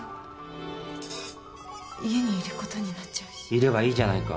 いればいいじゃないか。